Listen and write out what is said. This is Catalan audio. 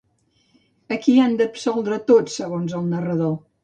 A qui han d'absoldre tots segons el narrador?